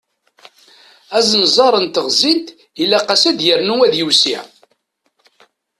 Anzenzaṛ n teɣẓint ilaq-as ad yernu ad yewsiε.